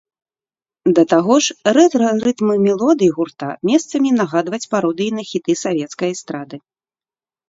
Да таго ж, рэтра-рытмы мелодый гурта месцамі нагадваць пародыі на хіты савецкай эстрады.